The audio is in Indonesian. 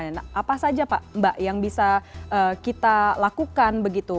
nah apa saja pak mbak yang bisa kita lakukan begitu